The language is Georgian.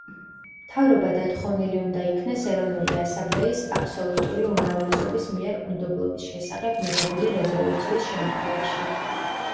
მთავრობა დათხოვნილი უნდა იქნეს ეროვნული ასამბლეის აბსოლუტური უმრავლესობის მიერ უნდობლობის შესახებ მიღებული რეზოლუციის შემთხვევაში.